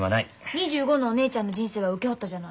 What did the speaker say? ２５のお姉ちゃんの人生は請け負ったじゃない。